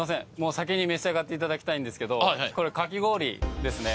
先に召し上がっていただきたいんですけどこれかき氷ですね